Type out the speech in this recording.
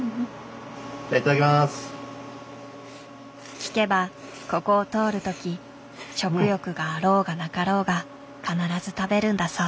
聞けばここを通る時食欲があろうがなかろうが必ず食べるんだそう。